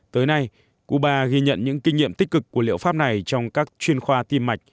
tới nay cuba ghi nhận những kinh nghiệm tích cực của liệu pháp này trong các chuyên khoa tim mạch